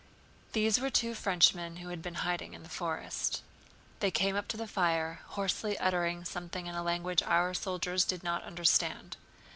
These were two Frenchmen who had been hiding in the forest. They came up to the fire, hoarsely uttering something in a language our soldiers did not understand.